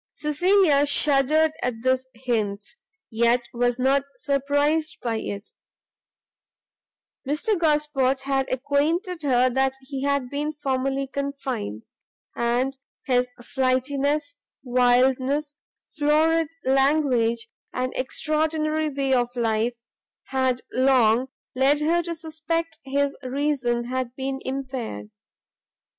Cecilia shuddered at this hint, yet was not surprised by it; Mr Gosport had acquainted her he had been formerly confined; and his flightiness, wildness, florid language, and extraordinary way of life, bad long led her to suspect his reason had been impaired.